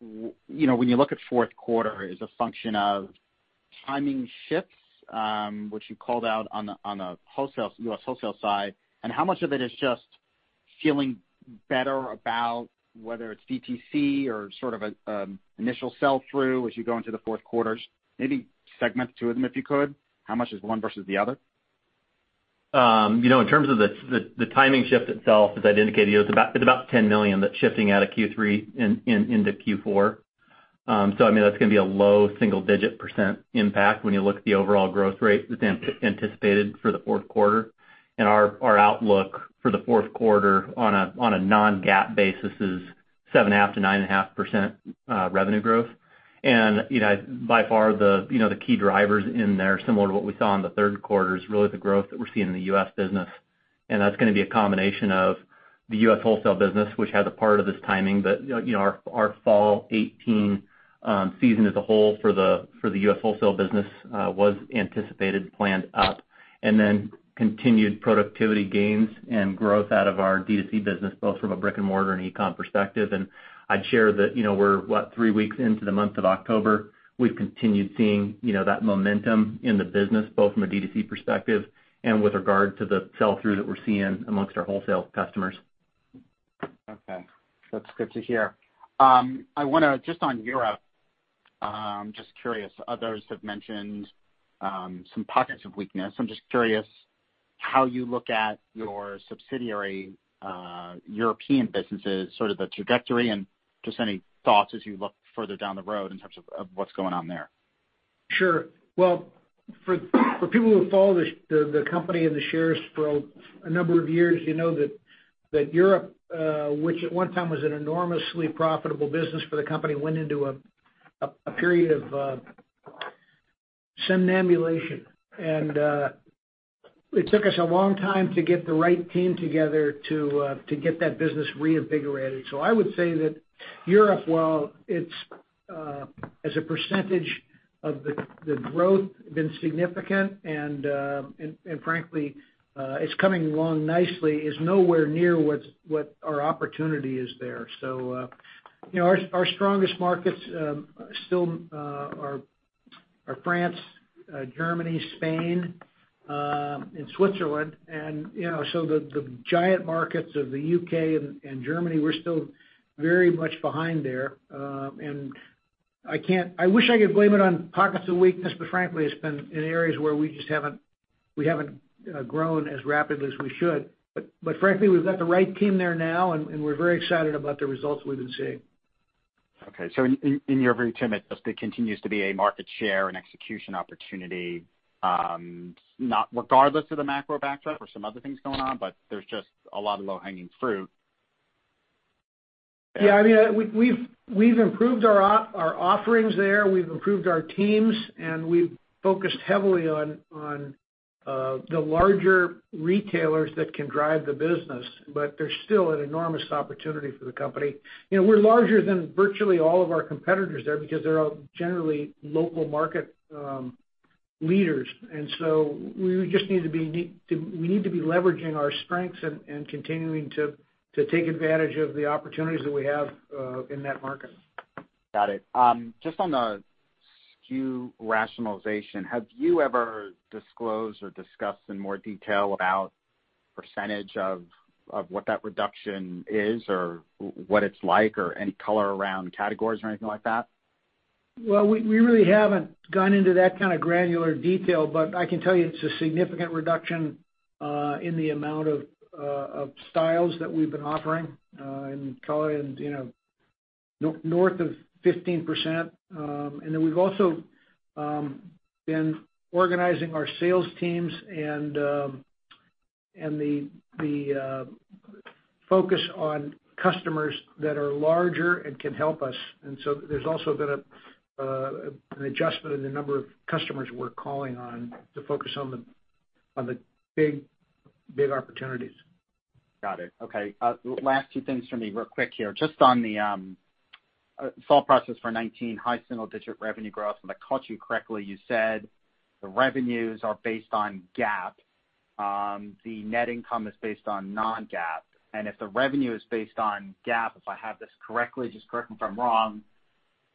when you look at fourth quarter is a function of timing shifts, which you called out on the U.S. wholesale side, how much of it is just feeling better about whether it's DTC or sort of an initial sell-through as you go into the fourth quarters? Maybe segment two of them, if you could. How much is one versus the other? In terms of the timing shift itself, as I'd indicated, it's about $10 million that's shifting out of Q3 into Q4. That's going to be a low single-digit % impact when you look at the overall growth rate that's anticipated for the fourth quarter. Our outlook for the fourth quarter on a non-GAAP basis is 7.5%-9.5% revenue growth. By far the key drivers in there, similar to what we saw in the third quarter, is really the growth that we're seeing in the U.S. business. That's going to be a combination of the U.S. wholesale business, which has a part of this timing. Our fall 2018 season as a whole for the U.S. wholesale business was anticipated, planned up. Then continued productivity gains and growth out of our D2C business, both from a brick and mortar and e-com perspective. I'd share that we're what, three weeks into the month of October. We've continued seeing that momentum in the business, both from a D2C perspective and with regard to the sell-through that we're seeing amongst our wholesale customers. Okay. That's good to hear. Just on Europe, I'm just curious, others have mentioned some pockets of weakness. I'm just curious how you look at your subsidiary European businesses, sort of the trajectory and just any thoughts as you look further down the road in terms of what's going on there. Sure. Well, for people who have followed the company and the shares for a number of years, you know that Europe, which at one time was an enormously profitable business for the company, went into a period of somnambulation. It took us a long time to get the right team together to get that business reinvigorated. I would say that Europe while as a percentage of the growth, been significant and frankly, it's coming along nicely, is nowhere near what our opportunity is there. Our strongest markets still are France, Germany, Spain, and Switzerland. The giant markets of the U.K. and Germany, we're still very much behind there. I wish I could blame it on pockets of weakness, but frankly, it's been in areas where we just haven't grown as rapidly as we should. Frankly, we've got the right team there now, and we're very excited about the results we've been seeing. Okay. In your view, Tim, it continues to be a market share and execution opportunity, regardless of the macro backdrop or some other things going on, but there's just a lot of low-hanging fruit. Yeah. We've improved our offerings there. We've improved our teams, and we've focused heavily on the larger retailers that can drive the business. There's still an enormous opportunity for the company. We're larger than virtually all of our competitors there because they're all generally local market leaders. We need to be leveraging our strengths and continuing to take advantage of the opportunities that we have in that market. Got it. Just on the SKU rationalization, have you ever disclosed or discussed in more detail about % of what that reduction is or what it's like or any color around categories or anything like that? Well, we really haven't gone into that kind of granular detail, but I can tell you it's a significant reduction in the amount of styles that we've been offering, and probably north of 15%. We've also been organizing our sales teams and the focus on customers that are larger and can help us. There's also been an adjustment in the number of customers we're calling on to focus on the big opportunities. Got it. Okay. Last two things for me real quick here. Just on the thought process for 2019 high single-digit revenue growth, if I caught you correctly, you said the revenues are based on GAAP. The net income is based on non-GAAP. If the revenue is based on GAAP, if I have this correctly, just correct me if I'm wrong,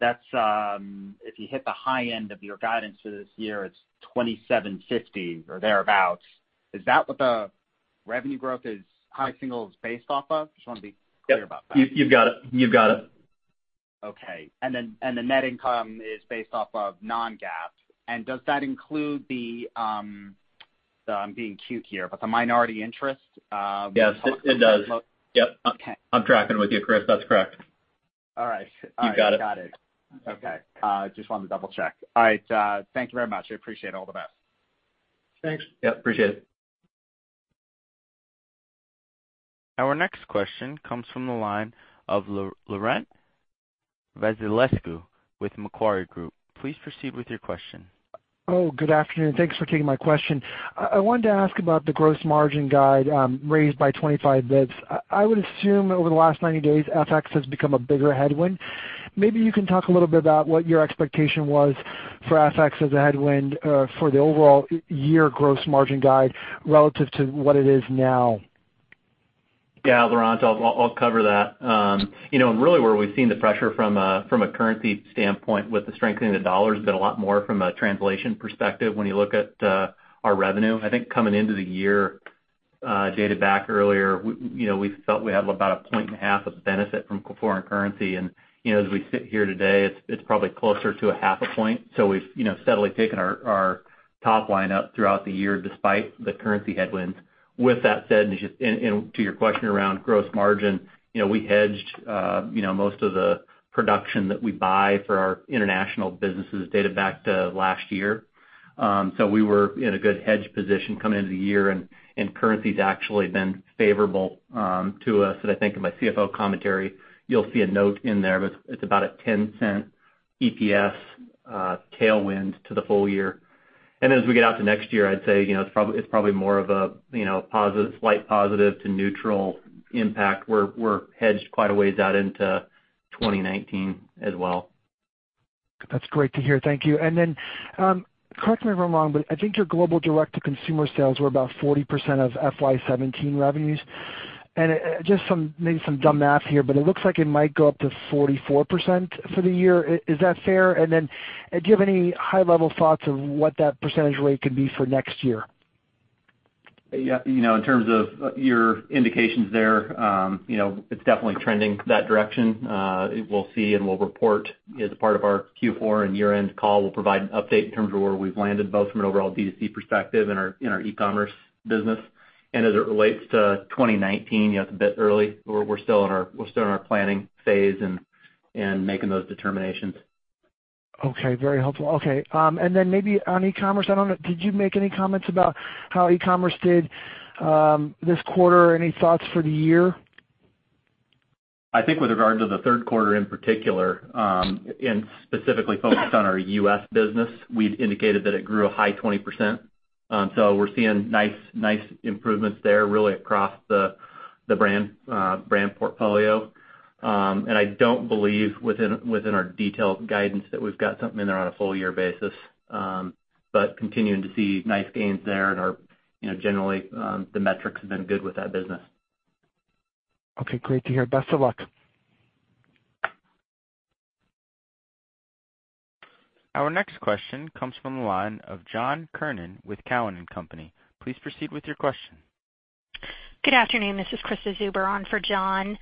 if you hit the high end of your guidance for this year, it's $27.50 or thereabout. Is that what the revenue growth is high single is based off of? Just want to be clear about that. Yeah. You've got it. Okay. The net income is based off of non-GAAP. Does that include I'm being cute here, but the minority interest? Yes, it does. Yep. Okay. I'm tracking with you, Chris. That's correct. All right. You got it. Got it. Okay. Just wanted to double-check. All right. Thank you very much. I appreciate it. All the best. Thanks. Yep, appreciate it. Our next question comes from the line of Laurent Vasilescu with Macquarie Group. Please proceed with your question. Good afternoon. Thanks for taking my question. I wanted to ask about the gross margin guide, raised by 25 basis points. I would assume over the last 90 days, FX has become a bigger headwind. Maybe you can talk a little bit about what your expectation was for FX as a headwind for the overall year gross margin guide relative to what it is now. Laurent, I'll cover that. Really where we've seen the pressure from a currency standpoint with the strengthening of the dollar has been a lot more from a translation perspective when you look at our revenue. I think coming into the year, dated back earlier, we felt we had about a point and a half of benefit from foreign currency. As we sit here today, it's probably closer to a half a point. We've steadily taken our top line up throughout the year, despite the currency headwinds. With that said, to your question around gross margin, we hedged most of the production that we buy for our international businesses dated back to last year. We were in a good hedge position coming into the year, and currency's actually been favorable to us. In my CFO commentary, you'll see a note in there, but it's about a $0.10 EPS tailwind to the full year. As we get out to next year, I'd say it's probably more of a slight positive to neutral impact. We're hedged quite a ways out into 2019 as well. That's great to hear. Thank you. Correct me if I'm wrong, but I think your global direct-to-consumer sales were about 40% of FY 2017 revenues. Maybe some dumb math here, but it looks like it might go up to 44% for the year. Is that fair? Do you have any high level thoughts of what that percentage rate could be for next year? In terms of your indications there, it's definitely trending that direction. We'll see and we'll report as a part of our Q4 and year-end call, we'll provide an update in terms of where we've landed, both from an overall D2C perspective and our e-commerce business. As it relates to 2019, it's a bit early. We're still in our planning phase and making those determinations. Okay. Very helpful. Okay. Maybe on e-commerce, I don't know, did you make any comments about how e-commerce did this quarter? Any thoughts for the year? I think with regard to the third quarter in particular, and specifically focused on our U.S. business, we'd indicated that it grew a high 20%. We're seeing nice improvements there, really across the brand portfolio. I don't believe within our detailed guidance that we've got something in there on a full year basis. Continuing to see nice gains there, and generally, the metrics have been good with that business. Okay, great to hear. Best of luck. Our next question comes from the line of John Kernan with Cowen and Company. Please proceed with your question. Good afternoon. This is Krista Zuber on for John.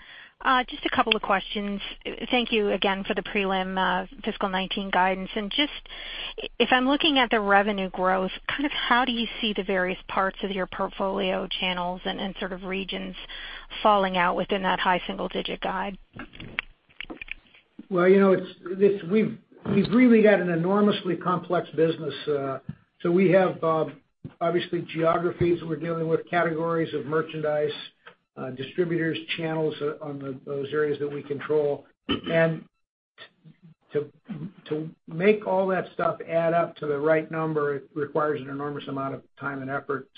Just a couple of questions. Thank you again for the prelim FY 2019 guidance. Just, if I'm looking at the revenue growth, how do you see the various parts of your portfolio channels and regions falling out within that high single-digit guide? We've really got an enormously complex business. We have, obviously, geographies that we're dealing with, categories of merchandise, distributors, channels on those areas that we control. To make all that stuff add up to the right number, it requires an enormous amount of time and effort.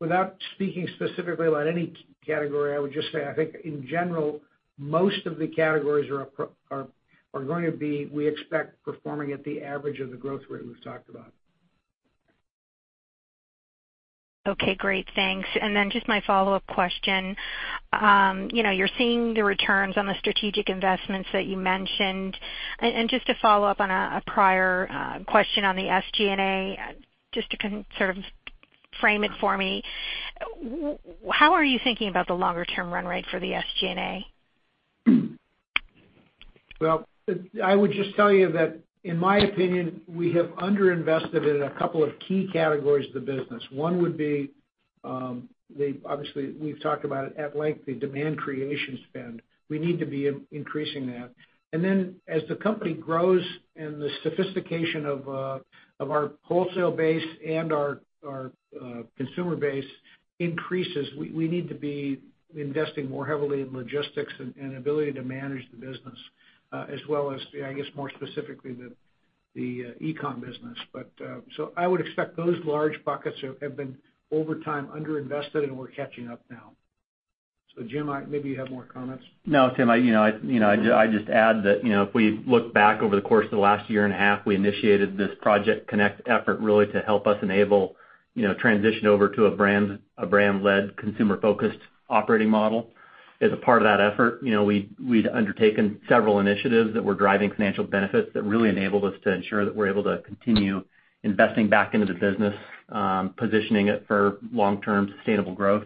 Without speaking specifically about any category, I would just say, I think in general, most of the categories are going to be, we expect, performing at the average of the growth rate we've talked about. Okay, great. Thanks. Just my follow-up question. You're seeing the returns on the strategic investments that you mentioned. Just to follow up on a prior question on the SG&A, just to kind of frame it for me, how are you thinking about the longer term run rate for the SG&A? I would just tell you that in my opinion, we have under-invested in a couple of key categories of the business. One would be, obviously we've talked about it at length, the demand creation spend. We need to be increasing that. As the company grows and the sophistication of our wholesale base and our consumer base increases, we need to be investing more heavily in logistics and ability to manage the business, as well as, I guess, more specifically the e-com business. I would expect those large buckets have been over time under-invested and we're catching up now. Jim, maybe you have more comments. No, Tim, I'd just add that if we look back over the course of the last year and a half, we initiated this Project Connect effort really to help us enable transition over to a brand-led, consumer-focused operating model. As a part of that effort, we'd undertaken several initiatives that were driving financial benefits that really enabled us to ensure that we're able to continue investing back into the business, positioning it for long-term sustainable growth.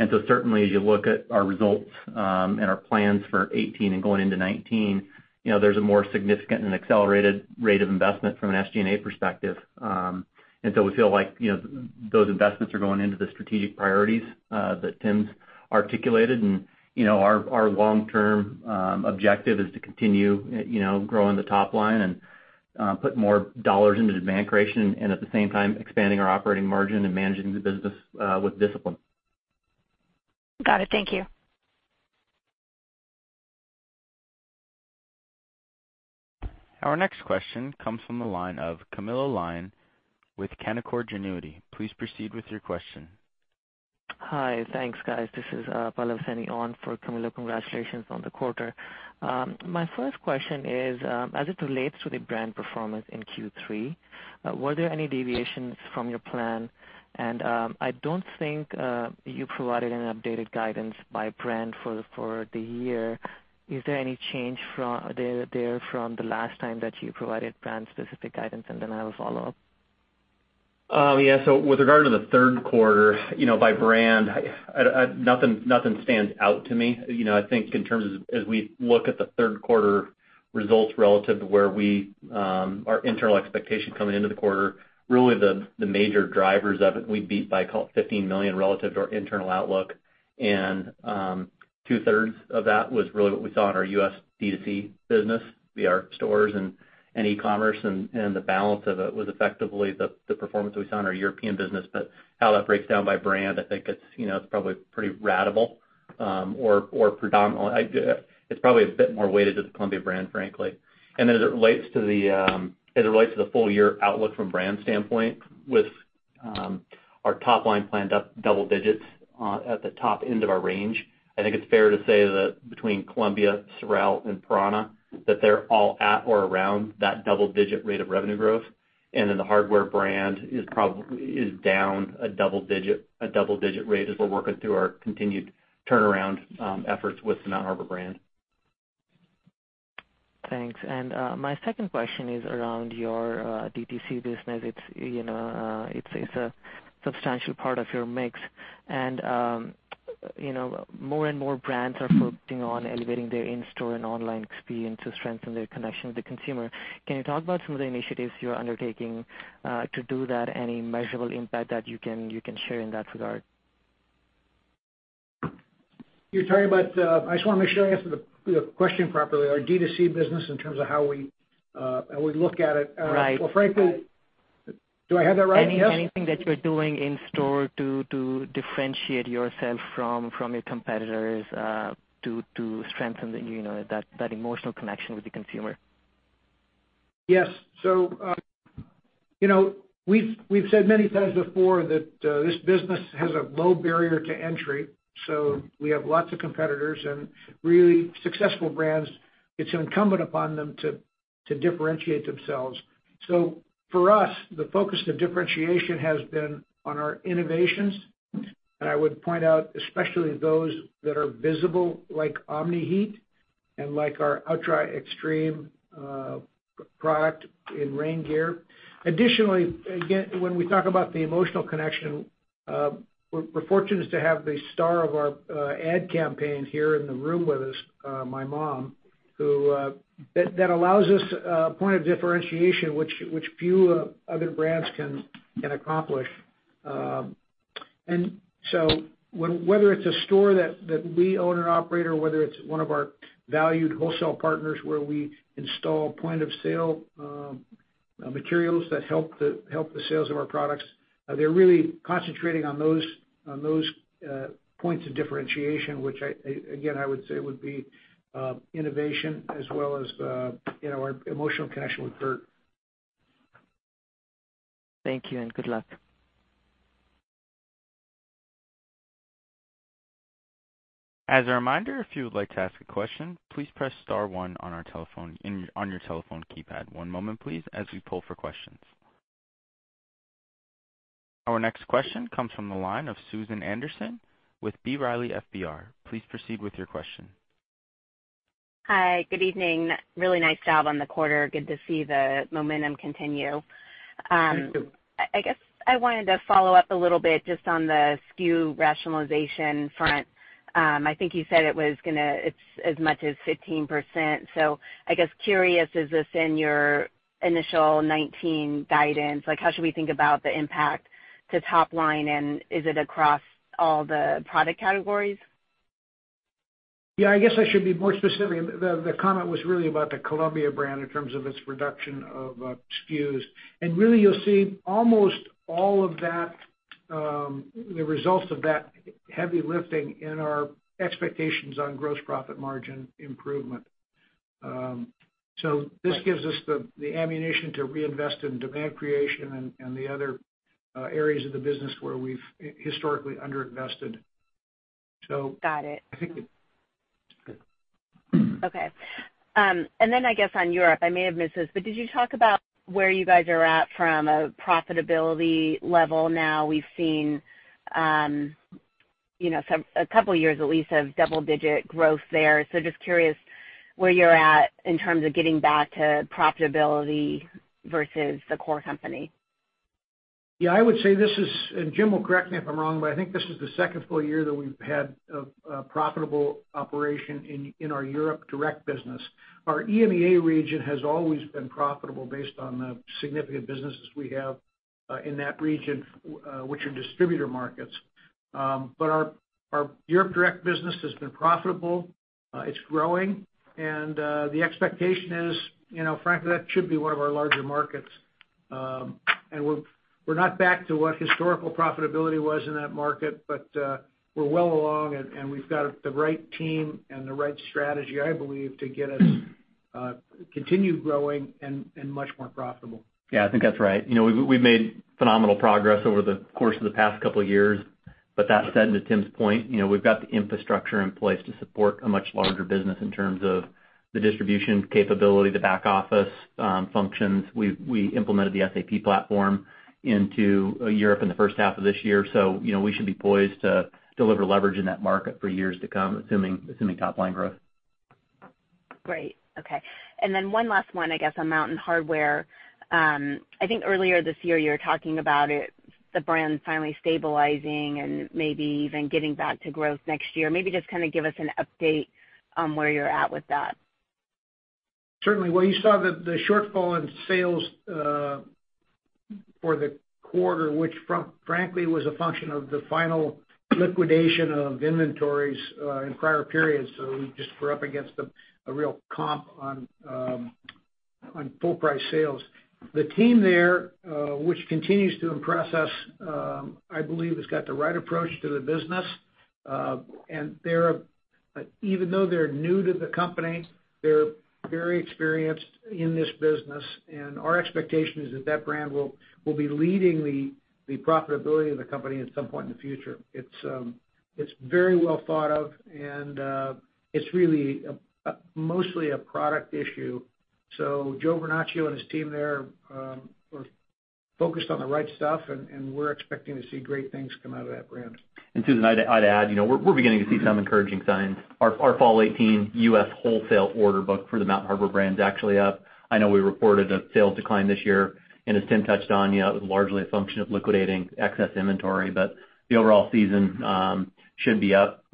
Certainly as you look at our results, and our plans for 2018 and going into 2019, there's a more significant and accelerated rate of investment from an SG&A perspective. We feel like those investments are going into the strategic priorities that Tim's articulated. Our long-term objective is to continue growing the top line and put more dollars into demand creation and at the same time expanding our operating margin and managing the business with discipline. Got it. Thank you. Our next question comes from the line of Camilo Lyon with Canaccord Genuity. Please proceed with your question. Hi. Thanks, guys. This is Pallav Saini on for Camilo. Congratulations on the quarter. My first question is, as it relates to the brand performance in Q3, were there any deviations from your plan? I don't think you provided an updated guidance by brand for the year. Is there any change there from the last time that you provided brand specific guidance? I will follow up. With regard to the third quarter, by brand, nothing stands out to me. I think in terms of as we look at the third quarter results relative to where our internal expectations coming into the quarter, really the major drivers of it, we beat by $15 million relative to our internal outlook. Two-thirds of that was really what we saw in our U.S. D2C business via our stores and e-commerce, and the balance of it was effectively the performance we saw in our European business. How that breaks down by brand, I think it's probably pretty ratable, or predominant. It's probably a bit more weighted to the Columbia brand, frankly. As it relates to the full-year outlook from brand standpoint, with our top line planned up double digits at the top end of our range, I think it's fair to say that between Columbia, SOREL, and prAna, that they're all at or around that double-digit rate of revenue growth. The hardware brand is down a double-digit rate as we're working through our continued turnaround efforts with the Mountain Hardwear brand. Thanks. My second question is around your DTC business. It's a substantial part of your mix. More and more brands are focusing on elevating their in-store and online experience to strengthen their connection with the consumer. Can you talk about some of the initiatives you're undertaking to do that? Any measurable impact that you can share in that regard? I just want to make sure I answer the question properly. Our D2C business in terms of how we look at it- Right Well, frankly. Do I have that right, yes? Anything that you're doing in-store to differentiate yourself from your competitors, to strengthen that emotional connection with the consumer. Yes. We've said many times before that this business has a low barrier to entry. We have lots of competitors and really successful brands. It's incumbent upon them to differentiate themselves. For us, the focus of differentiation has been on our innovations, and I would point out especially those that are visible, like Omni-Heat and like our OutDry Extreme product in rain gear. Additionally, again, when we talk about the emotional connection, we're fortunate to have the star of our ad campaign here in the room with us, my mom, that allows us a point of differentiation which few other brands can accomplish. Whether it's a store that we own and operate, or whether it's one of our valued wholesale partners where we install point-of-sale materials that help the sales of our products, they're really concentrating on those points of differentiation, which again, I would say would be innovation as well as our emotional connection with Gert. Thank you and good luck. As a reminder, if you would like to ask a question, please press *1 on your telephone keypad. One moment please as we poll for questions. Our next question comes from the line of Susan Anderson with B. Riley FBR. Please proceed with your question. Hi, good evening. Really nice job on the quarter. Good to see the momentum continue. Thank you. I guess I wanted to follow up a little bit just on the SKU rationalization front. I think you said it was going to as much as 15%. I guess, curious, is this in your initial 2019 guidance? How should we think about the impact to top line, and is it across all the product categories? Yeah, I guess I should be more specific. The comment was really about the Columbia brand in terms of its reduction of SKUs. Really you'll see almost all of that, the results of that heavy lifting in our expectations on gross profit margin improvement. This gives us the ammunition to reinvest in demand creation and the other areas of the business where we've historically under-invested. Got it. I think it. Okay. I guess on Europe, I may have missed this, but did you talk about where you guys are at from a profitability level now? We've seen a couple of years at least of double-digit growth there. Just curious where you're at in terms of getting back to profitability versus the core company. Yeah, I would say this is, and Jim will correct me if I'm wrong, but I think this is the second full year that we've had a profitable operation in our Europe-direct business. Our EMEA region has always been profitable based on the significant businesses we have in that region, which are distributor markets. Our Europe-direct business has been profitable. It's growing, and the expectation is, frankly, that should be one of our larger markets. We're not back to what historical profitability was in that market, but we're well along, and we've got the right team and the right strategy, I believe, to get us continued growing and much more profitable. Yeah, I think that's right. We've made phenomenal progress over the course of the past couple of years. That said, to Tim's point, we've got the infrastructure in place to support a much larger business in terms of the distribution capability, the back office functions. We implemented the SAP platform into Europe in the first half of this year, we should be poised to deliver leverage in that market for years to come, assuming top-line growth. Great. Okay. One last one, I guess, on Mountain Hardwear. I think earlier this year, you were talking about the brand finally stabilizing and maybe even getting back to growth next year. Maybe just give us an update on where you're at with that. Certainly. Well, you saw the shortfall in sales for the quarter, which frankly, was a function of the final liquidation of inventories in prior periods. We just were up against a real comp on full price sales. The team there, which continues to impress us, I believe, has got the right approach to the business. Even though they're new to the company, they're very experienced in this business. Our expectation is that that brand will be leading the profitability of the company at some point in the future. It's very well thought of, and it's really mostly a product issue. Joe Vernachio and his team there are focused on the right stuff, and we're expecting to see great things come out of that brand. Susan, I'd add, we're beginning to see some encouraging signs. Our fall 2018 U.S. wholesale order book for the Mountain Hardwear brand is actually up. I know we reported a sales decline this year, and as Tim touched on, it was largely a function of liquidating excess inventory. The overall season should be up.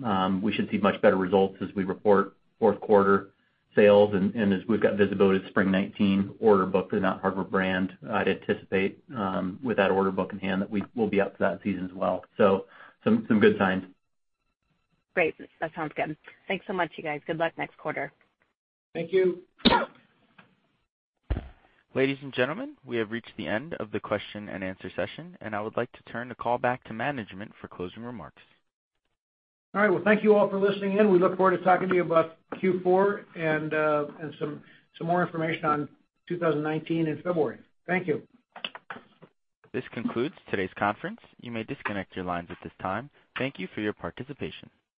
We should see much better results as we report fourth quarter sales. As we've got visibility to spring 2019 order book for the Mountain Hardwear brand, I'd anticipate, with that order book in hand, that we'll be up for that season as well. Some good signs. Great. That sounds good. Thanks so much, you guys. Good luck next quarter. Thank you. Thank you. Ladies and gentlemen, we have reached the end of the question and answer session. I would like to turn the call back to management for closing remarks. Well, thank you all for listening in. We look forward to talking to you about Q4 and some more information on 2019 in February. Thank you. This concludes today's conference. You may disconnect your lines at this time. Thank you for your participation.